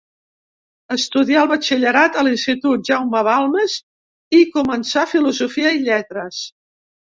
Estudià el batxillerat a l’Institut Jaume Balmes i començà Filosofia i Lletres.